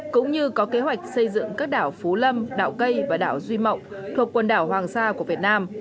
cũng như có kế hoạch xây dựng các đảo phú lâm đạo cây và đảo duy mộng thuộc quần đảo hoàng sa của việt nam